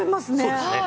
そうですね。